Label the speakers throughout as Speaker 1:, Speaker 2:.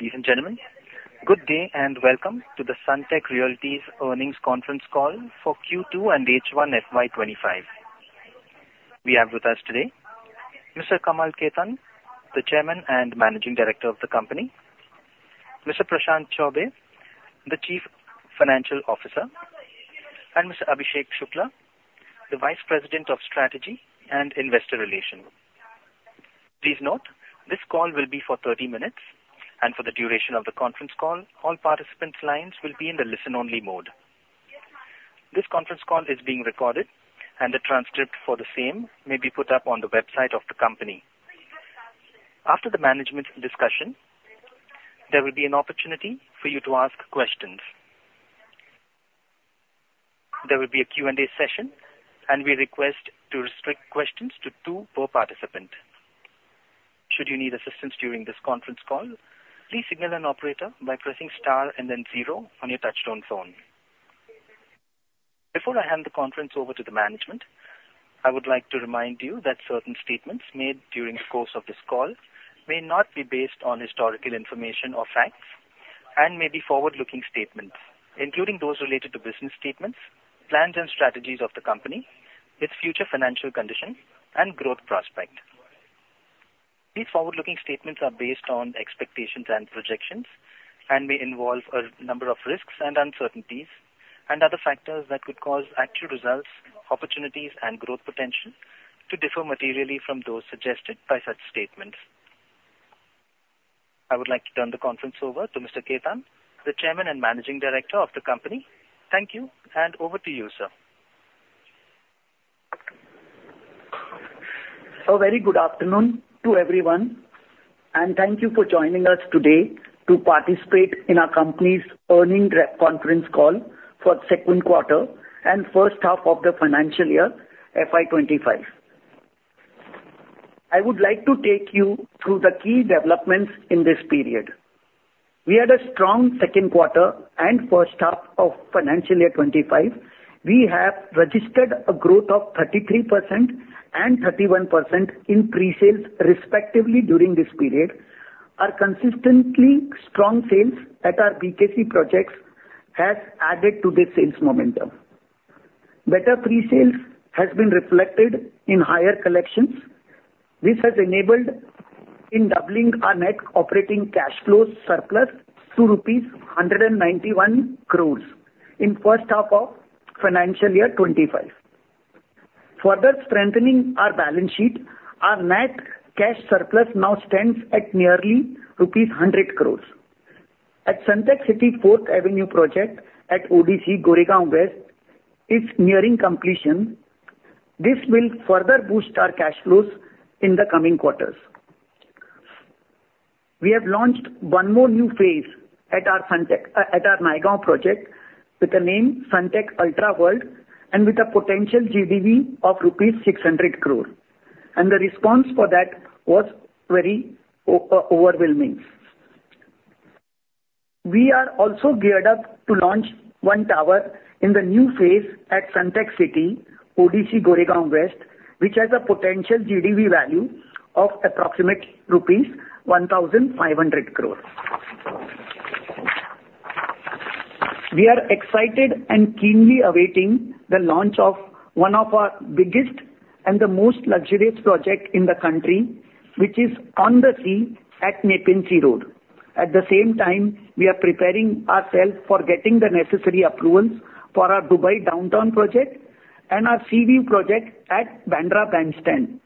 Speaker 1: Ladies and gentlemen, good day and welcome to the Sunteck Realty's earnings conference call for Q2 and H1FY25. We have with us today Mr. Kamal Khetan, the Chairman and Managing Director of the company, Mr. Prashant Chaubey, the Chief Financial Officer, and Mr. Abhishek Shukla, the Vice President of Strategy and Investor Relations. Please note, this call will be for 30 minutes, and for the duration of the conference call, all participants' lines will be in the listen-only mode. This conference call is being recorded, and the transcript for the same may be put up on the website of the company. After the management discussion, there will be an opportunity for you to ask questions. There will be a Q&A session, and we request to restrict questions to two per participant. Should you need assistance during this conference call, please signal an operator by pressing star and then zero on your touch-tone phone. Before I hand the conference over to the management, I would like to remind you that certain statements made during the course of this call may not be based on historical information or facts and may be forward-looking statements, including those related to business statements, plans and strategies of the company, its future financial condition, and growth prospect. These forward-looking statements are based on expectations and projections and may involve a number of risks and uncertainties and other factors that could cause actual results, opportunities, and growth potential to differ materially from those suggested by such statements. I would like to turn the conference over to Mr. Khetan, the Chairman and Managing Director of the company. Thank you, and over to you, sir.
Speaker 2: Very good afternoon to everyone, and thank you for joining us today to participate in our company's earnings conference call for the second quarter and first half of the financial year, FY25. I would like to take you through the key developments in this period. We had a strong second quarter and first half of financial year '25. We have registered a growth of 33% and 31% in pre-sales, respectively, during this period. Our consistently strong sales at our BKC projects have added to the sales momentum. Better pre-sales have been reflected in higher collections. This has enabled doubling our net operating cash flow surplus to ₹191 crores in the first half of financial year '25. Further strengthening our balance sheet, our net cash surplus now stands at nearly ₹100 crores. At Sunteck City Fourth Avenue project at ODC Goregaon West, it's nearing completion. This will further boost our cash flows in the coming quarters. We have launched one more new phase at our Naigaon project with the name Sunteck Ultra World and with a potential GDV of rupees 600 crore, and the response for that was very overwhelming. We are also geared up to launch one tower in the new phase at Sunteck City ODC Goregaon West, which has a potential GDV value of approximately rupees 1,500 crore. We are excited and keenly awaiting the launch of one of our biggest and the most luxurious projects in the country, which is on the sea at Nepean Sea Road. At the same time, we are preparing ourselves for getting the necessary approvals for our Downtown Dubai project and our Seaview project at Bandra Bandstand.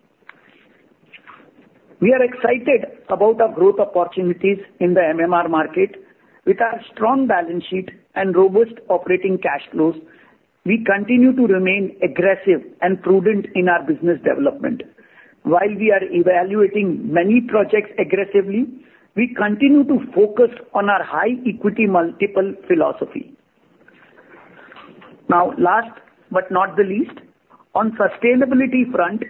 Speaker 2: We are excited about our growth opportunities in the MMR market. With our strong balance sheet and robust operating cash flows, we continue to remain aggressive and prudent in our business development. While we are evaluating many projects aggressively, we continue to focus on our high equity multiple philosophy. Now, last but not the least, on the sustainability front,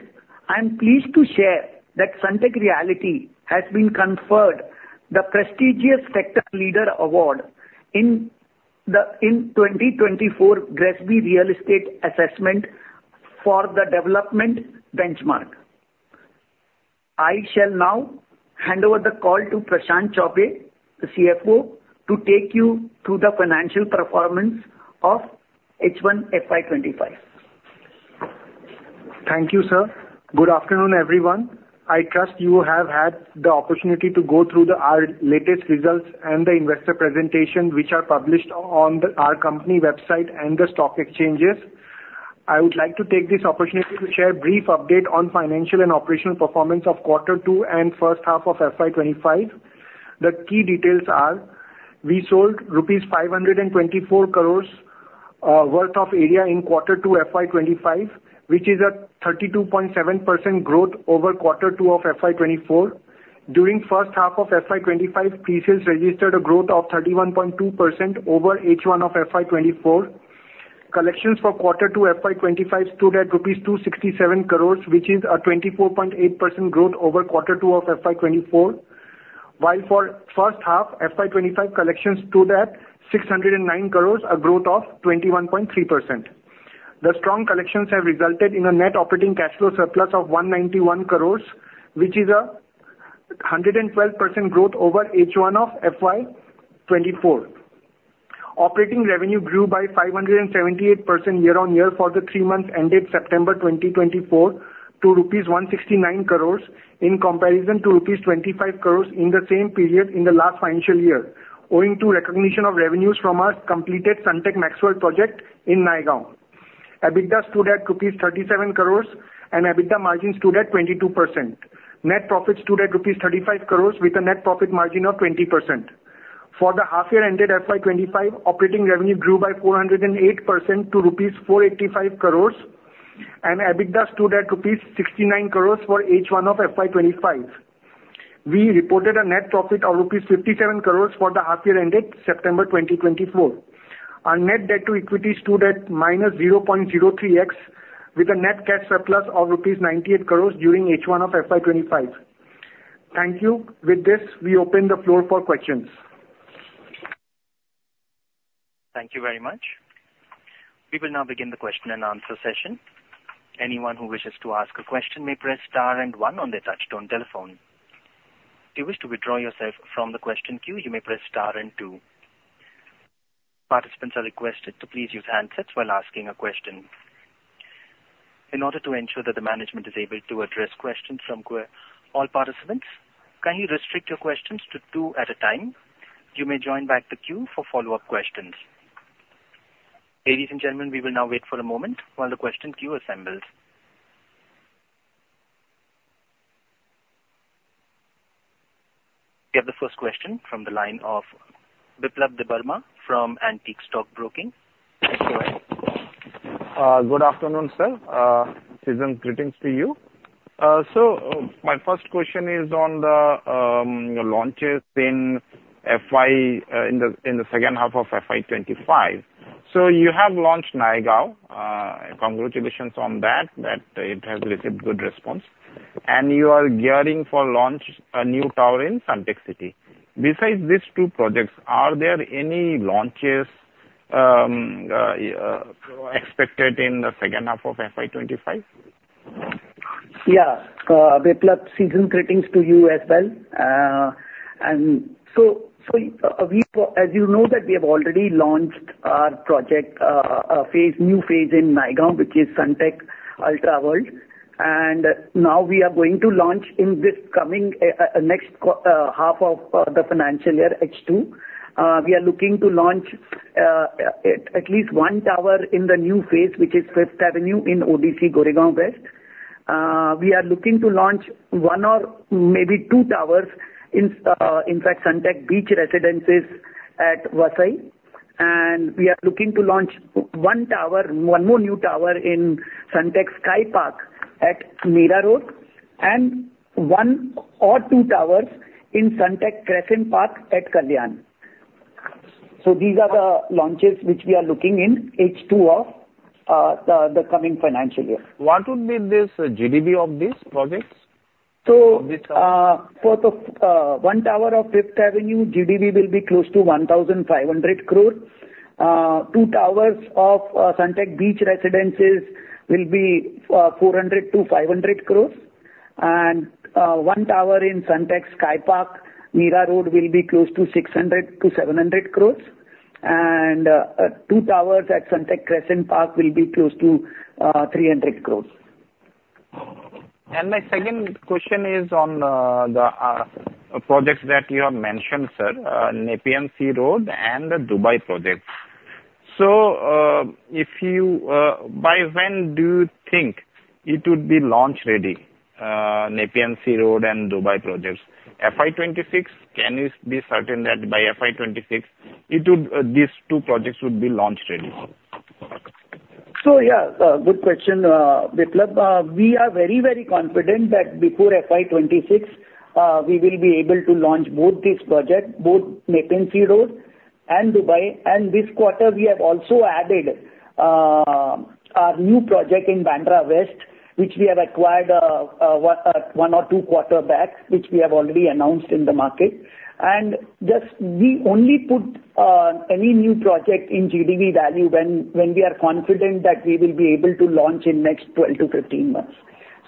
Speaker 2: I'm pleased to share that Sunteck Realty has been conferred the prestigious Sector Leader Award in the 2024 GRESB Real Estate Assessment for the development benchmark. I shall now hand over the call to Prashant Chaubey, the CFO, to take you through the financial performance of H1FY25.
Speaker 3: Thank you, sir. Good afternoon, everyone. I trust you have had the opportunity to go through our latest results and the investor presentation, which are published on our company website and the stock exchanges. I would like to take this opportunity to share a brief update on the financial and operational performance of Q2 and the first half of FY25. The key details are: we sold rupees 524 crores worth of area in Q2 FY25, which is a 32.7% growth over Q2 of FY24. During the first half of FY25, pre-sales registered a growth of 31.2% over H1 of FY24. Collections for Q2 FY25 stood at INR 267 crores, which is a 24.8% growth over Q2 of FY24, while for the first half, FY25 collections stood at 609 crores, a growth of 21.3%. The strong collections have resulted in a net operating cash flow surplus of ₹191 crores, which is a 112% growth over H1 of FY24. Operating revenue grew by 578% year-on-year for the three months ended September 2024 to ₹169 crores in comparison to ₹25 crores in the same period in the last financial year, owing to recognition of revenues from our completed Sunteck MaxXWorld project in Naigaon. EBITDA stood at ₹37 crores, and EBITDA margin stood at 22%. Net profit stood at ₹35 crores, with a net profit margin of 20%. For the half-year ended FY25, operating revenue grew by 408% to ₹485 crores, and EBITDA stood at ₹69 crores for H1 of FY25. We reported a net profit of ₹57 crores for the half-year ended September 2024. Our net debt to equity stood at minus 0.03x, with a net cash surplus of ₹98 crores during H1 of FY25. Thank you. With this, we open the floor for questions.
Speaker 1: Thank you very much. We will now begin the question and answer session. Anyone who wishes to ask a question may press star and one on the touch-tone telephone. If you wish to withdraw yourself from the question queue, you may press star and two. Participants are requested to please use handsets while asking a question. In order to ensure that the management is able to address questions from all participants, kindly restrict your questions to two at a time. You may join back the queue for follow-up questions. Ladies and gentlemen, we will now wait for a moment while the question queue assembles. We have the first question from the line of Biplab Debbarma from Antique Stock Broking.
Speaker 4: Good afternoon, sir. Season's greetings to you. So my first question is on the launches in the second half of FY25. So you have launched Naigaon. Congratulations on that, that it has received good response. And you are gearing for launch a new tower in Sunteck City. Besides these two projects, are there any launches expected in the second half of FY25?
Speaker 2: Yeah. Biplab, Season's, greetings to you as well, and so as you know, we have already launched our new phase in Naigaon, which is Sunteck Ultra World. And now we are going to launch in this coming next half of the financial year, H2. We are looking to launch at least one tower in the new phase, which is Fifth Avenue in ODC Goregaon West. We are looking to launch one or maybe two towers in fact Sunteck Beach Residences at Vasai. And we are looking to launch one more new tower in Sunteck Sky Park at Mira Road, and one or two towers in Sunteck Crescent Park at Kalyan, so these are the launches which we are looking in H2 of the coming financial year.
Speaker 4: What would be the GDV of these projects?
Speaker 2: So for the one tower of Fifth Avenue, GDV will be close to ₹1,500 crore. Two towers of Sunteck Beach Residences will be ₹400-₹500 crore. And one tower in Sunteck Sky Park, Mira Road, will be close to ₹600-₹700 crore. And two towers at Sunteck Crescent Park will be close to ₹300 crore.
Speaker 4: My second question is on the projects that you have mentioned, sir, Nepean Sea Road and the Dubai project. By when do you think it would be launch ready, Nepean Sea Road and Dubai projects? FY26, can you be certain that by FY26, these two projects would be launch ready?
Speaker 2: So yeah, good question, Biplab. We are very, very confident that before FY26, we will be able to launch both these projects, both Nepean Sea Road and Dubai. And this quarter, we have also added our new project in Bandra West, which we have acquired one or two quarters back, which we have already announced in the market. And we only put any new project in GDV value when we are confident that we will be able to launch in the next 12 to 15 months.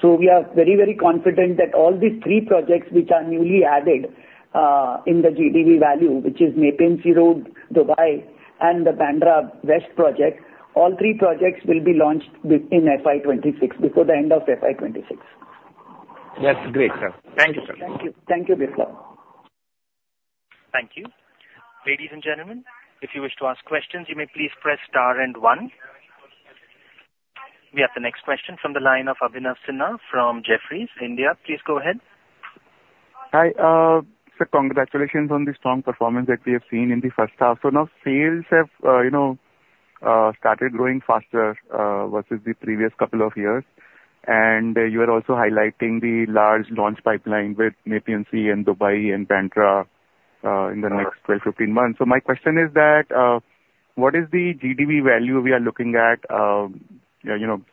Speaker 2: So we are very, very confident that all these three projects, which are newly added in the GDV value, which is Nepean Sea Road, Dubai, and the Bandra West project, all three projects will be launched in FY26, before the end of FY26.
Speaker 4: That's great, sir. Thank you, sir.
Speaker 2: Thank you, Biplab.
Speaker 1: Thank you. Ladies and gentlemen, if you wish to ask questions, you may please press star and one. We have the next question from the line of Abhinav Sinha from Jefferies India. Please go ahead.
Speaker 5: Hi. So congratulations on the strong performance that we have seen in the first half. So now sales have started growing faster versus the previous couple of years. And you are also highlighting the large launch pipeline with Nepean Sea Road and Dubai and Bandra in the next 12-15 months. So my question is that what is the GDV value we are looking at,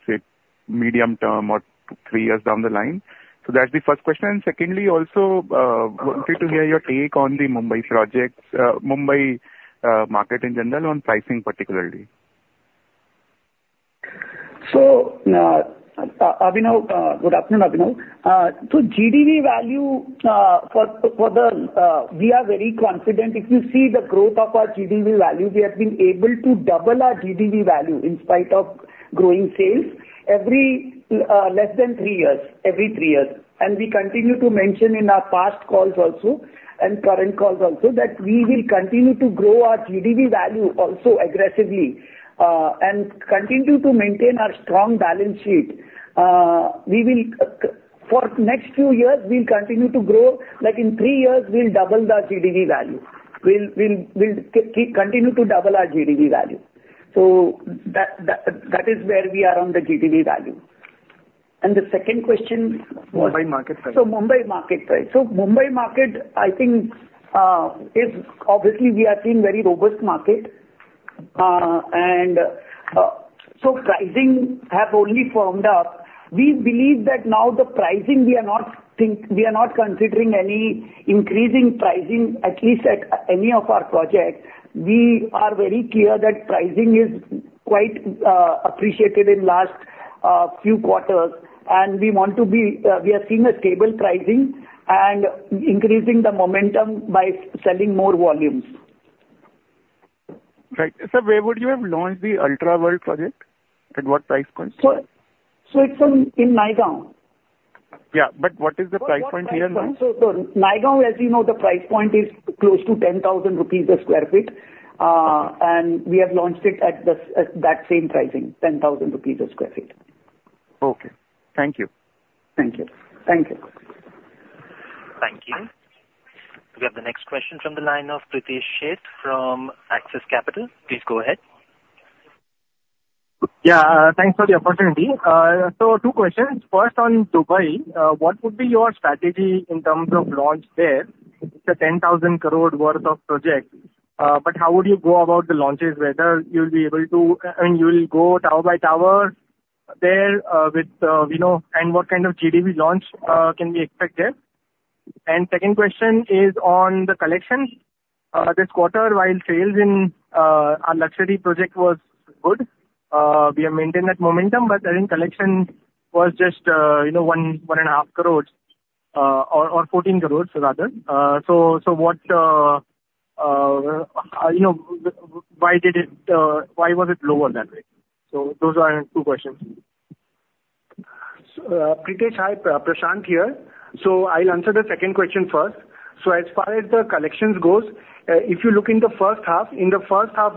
Speaker 5: say, medium term or three years down the line? So that's the first question. And secondly, also, I wanted to hear your take on the Mumbai projects, Mumbai market in general, on pricing particularly.
Speaker 2: So, Abhinav, good afternoon, Abhinav, so GDV value for the, we are very confident. If you see the growth of our GDV value, we have been able to double our GDV value in spite of growing sales less than three years, every three years, and we continue to mention in our past calls also and current calls also that we will continue to grow our GDV value also aggressively and continue to maintain our strong balance sheet. For the next few years, we'll continue to grow. In three years, we'll double the GDV value. We'll continue to double our GDV value, so that is where we are on the GDV value, and the second question was.
Speaker 5: Mumbai market price.
Speaker 2: Mumbai market, I think, is obviously we are seeing a very robust market. Pricing has only firmed up. We believe that now the pricing, we are not considering any increasing pricing, at least at any of our projects. We are very clear that pricing is quite appreciated in the last few quarters. We want to be seeing stable pricing and increasing the momentum by selling more volumes.
Speaker 5: Right. So where would you have launched the Ultra World project? At what price point?
Speaker 2: It's in Naigaon.
Speaker 5: Yeah. But what is the price point here?
Speaker 2: Naigaon, as you know, the price point is close to 10,000 rupees sq ft, and we have launched it at that same pricing, 10,000 rupees sq ft.
Speaker 5: Okay. Thank you.
Speaker 2: Thank you. Thank you.
Speaker 1: Thank you. We have the next question from the line of Pritesh Sheth from Axis Capital. Please go ahead.
Speaker 6: Yeah. Thanks for the opportunity. So, two questions. First, on Dubai, what would be your strategy in terms of launch there? It's a ₹10,000 crore worth of project. But how would you go about the launches? Whether you'll be able to I mean, you'll go tower by tower there with and what kind of GDV launch can we expect there? And second question is on the collections. This quarter, while sales in our luxury project was good, we have maintained that momentum, but I think collection was just ₹1.5 crores or ₹14 crores, rather. So those are two questions.
Speaker 3: Pritesh, hi, Prashant here. I'll answer the second question first. As far as the collections goes, if you look in the first half,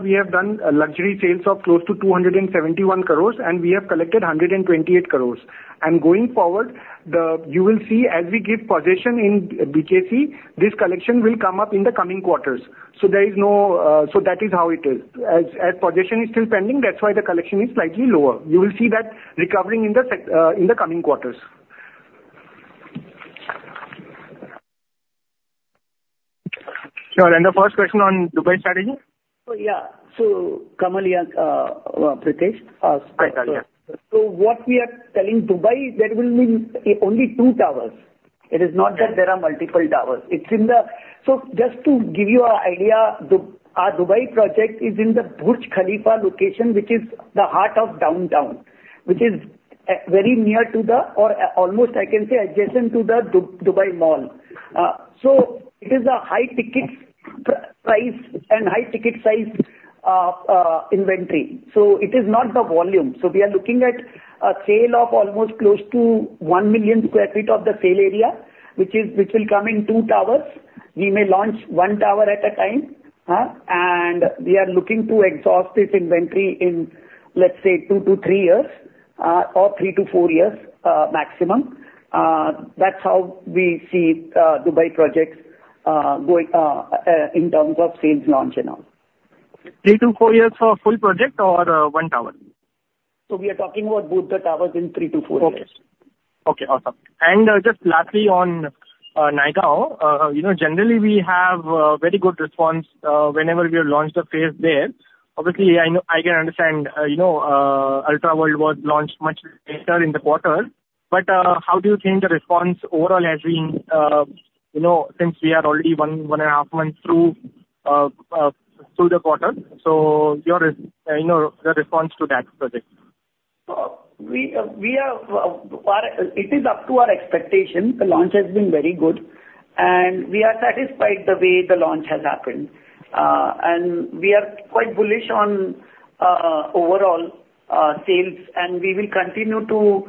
Speaker 3: we have done luxury sales of close to 271 crores, and we have collected 128 crores. Going forward, you will see as we give possession in BKC, this collection will come up in the coming quarters. That is how it is. As possession is still pending, that's why the collection is slightly lower. You will see that recovering in the coming quarters.
Speaker 6: Sure. The first question on Dubai strategy?
Speaker 2: Kamal, Pritesh.
Speaker 6: Right.
Speaker 2: So what we are telling Dubai, there will be only two towers. It is not that there are multiple towers. So just to give you an idea, our Dubai project is in the Burj Khalifa location, which is the heart of downtown, which is very near to, or almost, I can say, adjacent to the Dubai Mall. So it is a high ticket price and high ticket size inventory. So it is not the volume. So we are looking at a sale of almost close to one million sq ft of the sale area, which will come in two towers. We may launch one tower at a time. And we are looking to exhaust this inventory in, let's say, two to three years or three to four years maximum. That's how we see Dubai projects in terms of sales launch and all.
Speaker 6: Three to four years for a full project or one tower?
Speaker 2: We are talking about both the towers in three-to-four years.
Speaker 6: Okay. Okay. Awesome. And just lastly on Naigaon, generally, we have very good response whenever we have launched the phase there. Obviously, I can understand Ultra World was launched much later in the quarter. But how do you think the response overall has been since we are already one and a half months through the quarter? So the response to that project?
Speaker 2: It is up to our expectations. The launch has been very good, and we are satisfied the way the launch has happened. We are quite bullish on overall sales, and we will continue to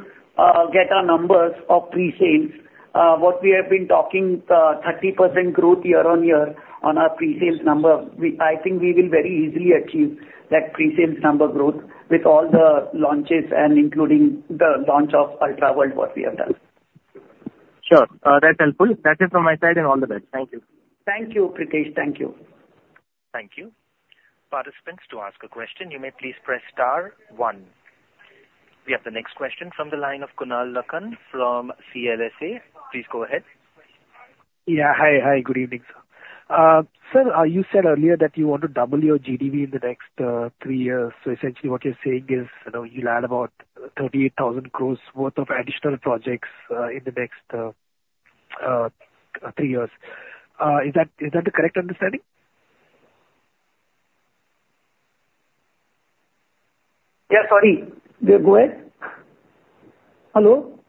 Speaker 2: get our numbers of pre-sales. What we have been talking, 30% growth year on year on our pre-sales number. I think we will very easily achieve that pre-sales number growth with all the launches and including the launch of Ultra World, what we have done.
Speaker 6: Sure. That's helpful. That's it from my side and all the best. Thank you.
Speaker 2: Thank you, Pritesh. Thank you.
Speaker 1: Thank you. Participants, to ask a question, you may please press star one. We have the next question from the line of Kunal Lakhan from CLSA. Please go ahead.
Speaker 7: Yeah. Hi. Good evening, sir. Sir, you said earlier that you want to double your GDV in the next three years. So essentially, what you're saying is you'll add about 38,000 crore worth of additional projects in the next three years. Is that the correct understanding?
Speaker 2: Yeah. Sorry. Go ahead. Hello?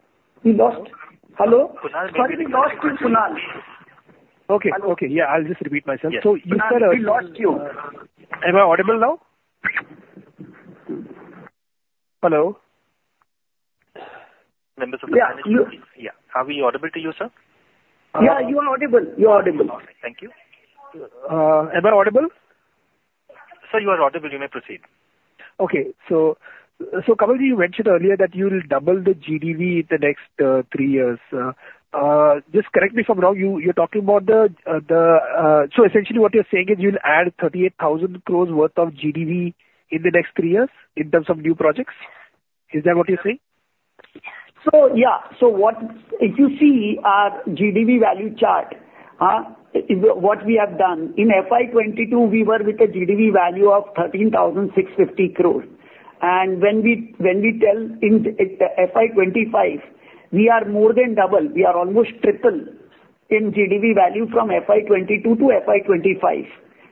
Speaker 2: We lost. Hello? Sorry, we lost you, Kunal.
Speaker 7: Okay. Yeah. I'll just repeat myself. So you said.
Speaker 2: Yeah. We lost you.
Speaker 7: Am I audible now? Hello?
Speaker 1: Members of the panel speaking. Yeah. Are we audible to you, sir?
Speaker 2: Yeah. You are audible. You are audible.
Speaker 1: Thank you.
Speaker 7: Am I audible?
Speaker 1: Sir, you are audible. You may proceed.
Speaker 7: Okay. So Kamal, you mentioned earlier that you'll double the GDV in the next three years. Just correct me if I'm wrong. You're talking about so essentially, what you're saying is you'll add ₹38,000 crores worth of GDV in the next three years in terms of new projects. Is that what you're saying?
Speaker 2: So yeah. So if you see our GDV value chart, what we have done, in FY22, we were with a GDV value of ₹13,650 crores. And when we tell in FY25, we are more than double. We are almost triple in GDV value from FY22 to FY25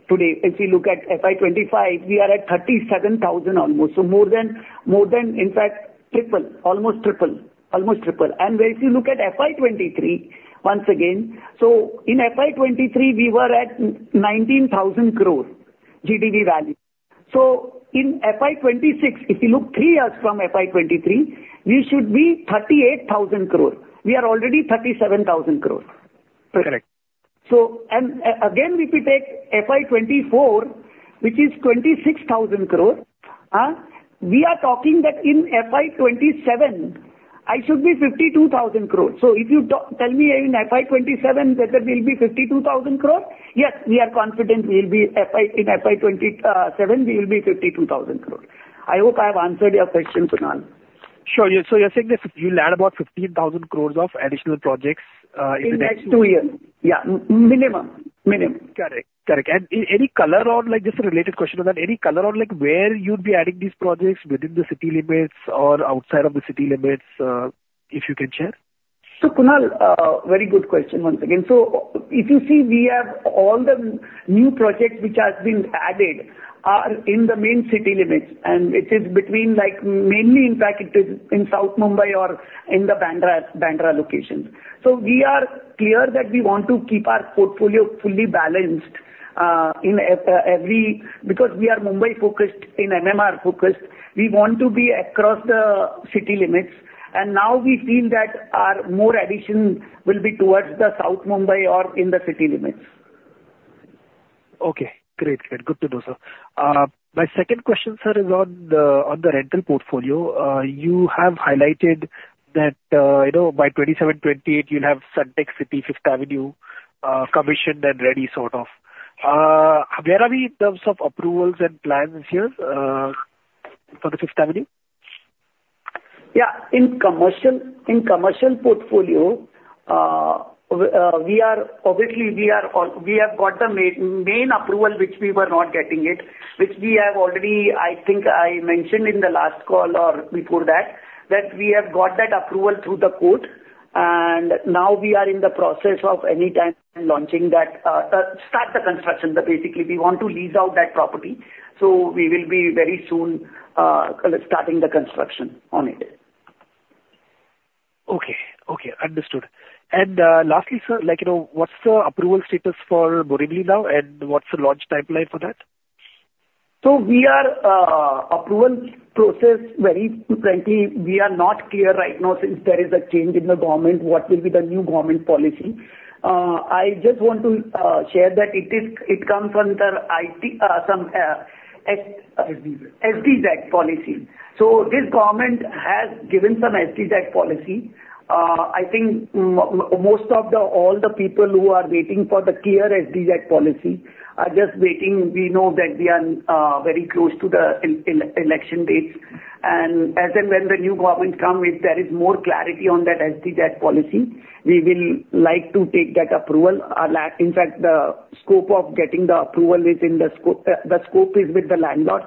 Speaker 2: today. If you look at FY25, we are at ₹37,000 almost. So more than, in fact, triple, almost triple, almost triple. And if you look at FY23, once again, so in FY23, we were at ₹19,000 crores GDV value. So in FY26, if you look three years from FY23, we should be ₹38,000 crores. We are already ₹37,000 crores.
Speaker 7: Correct.
Speaker 2: Again, if you take FY24, which is 26,000 crores, we are talking that in FY27, I should be 52,000 crores. So if you tell me in FY27 that there will be 52,000 crores, yes, we are confident in FY27, we will be 52,000 crores. I hope I have answered your question, Kunal.
Speaker 7: Sure. So you're saying that you'll add about 15,000 crores of additional projects in the next two years.
Speaker 2: In the next two years. Yeah. Minimum. Minimum.
Speaker 7: Correct. And any color or just a related question on that? Any color on where you'd be adding these projects within the city limits or outside of the city limits, if you can share?
Speaker 2: So, Kunal, very good question once again. So if you see, all the new projects which have been added are in the main city limits. And it is mainly, in fact, in South Mumbai or in the Bandra locations. So we are clear that we want to keep our portfolio fully balanced because we are Mumbai-focused, in MMR-focused. We want to be across the city limits. And now we feel that our more addition will be towards the South Mumbai or in the city limits.
Speaker 7: Okay. Great. Good to know, sir. My second question, sir, is on the rental portfolio. You have highlighted that by FY28, you'll have Sunteck City, Fifth Avenue commissioned and ready sort of. Where are we in terms of approvals and plans here for the Fifth Avenue?
Speaker 2: Yeah. In commercial portfolio, obviously, we have got the main approval, which we were not getting it, which we have already, I think I mentioned in the last call or before that, that we have got that approval through the court. And now we are in the process of any time launching that, start the construction. Basically, we want to lease out that property. So we will be very soon starting the construction on it.
Speaker 7: Okay. Okay. Understood. And lastly, sir, what's the approval status for Borivali now? And what's the launch pipeline for that?
Speaker 2: So we are approval process. Very frankly, we are not clear right now since there is a change in the government, what will be the new government policy. I just want to share that it comes under some SDZ policy. So this government has given some SDZ policy. I think most of all the people who are waiting for the clear SDZ policy are just waiting. We know that we are very close to the election dates. And as and when the new government comes, if there is more clarity on that SDZ policy, we will like to take that approval. In fact, the scope of getting the approval is in the scope with the landlord.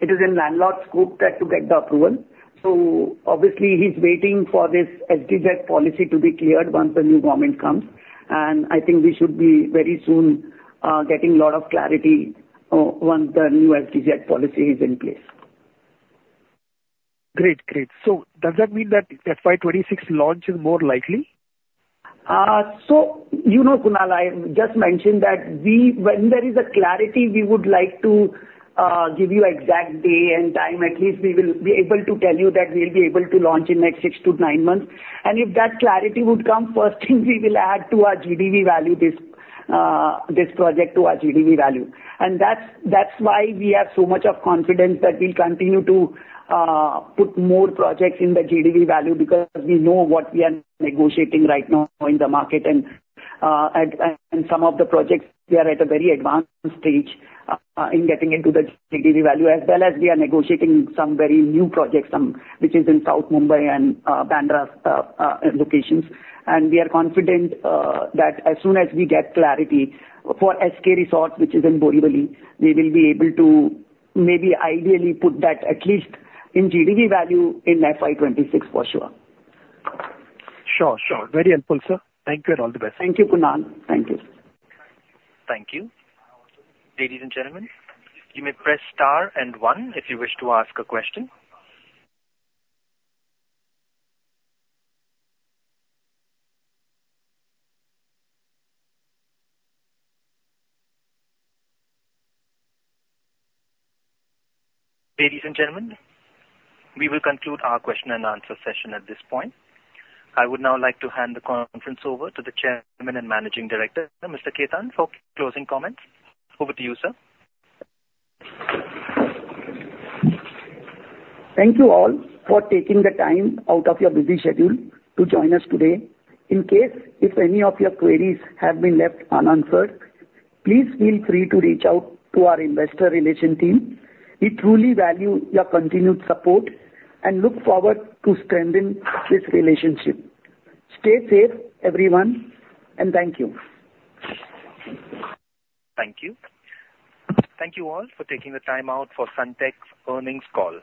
Speaker 2: It is in landlord's scope to get the approval. So obviously, he's waiting for this SDZ policy to be cleared once the new government comes. I think we should be very soon getting a lot of clarity once the new SDZ policy is in place.
Speaker 7: Great. Great. So does that mean that FY26 launch is more likely?
Speaker 2: So, Kunal, I just mentioned that when there is a clarity, we would like to give you an exact day and time. At least we will be able to tell you that we'll be able to launch in the next six to nine months. And if that clarity would come, first thing we will add to our GDV value, this project to our GDV value. And that's why we have so much confidence that we'll continue to put more projects in the GDV value because we know what we are negotiating right now in the market. And some of the projects, we are at a very advanced stage in getting into the GDV value, as well as we are negotiating some very new projects, which is in South Mumbai and Bandra locations. We are confident that as soon as we get clarity for SK Resorts, which is in Borivali, we will be able to maybe ideally put that at least in GDV value in FY26 for sure.
Speaker 7: Sure. Sure. Very helpful, sir. Thank you. All the best.
Speaker 2: Thank you, Kunal. Thank you.
Speaker 1: Thank you. Ladies and gentlemen, you may press star and one if you wish to ask a question. Ladies and gentlemen, we will conclude our question and answer session at this point. I would now like to hand the conference over to the Chairman and Managing Director, Mr. Khetan, for closing comments. Over to you, sir.
Speaker 2: Thank you all for taking the time out of your busy schedule to join us today. In case any of your queries have been left unanswered, please feel free to reach out to our investor relation team. We truly value your continued support and look forward to strengthening this relationship. Stay safe, everyone. And thank you.
Speaker 1: Thank you. Thank you all for taking the time out for Sunteck's earnings call.